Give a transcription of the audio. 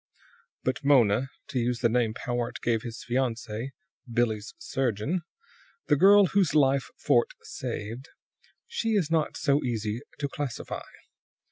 "But Mona to use the name Powart gave his fiancee Billie's surgeon the girl whose life Fort saved she is not so easy to classify.